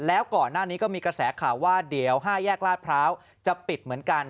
แล้วก่อนหน้านี้ก็มีกระแสข่าวว่าเดี๋ยว๕แยกลาดพร้าวจะปิดเหมือนกัน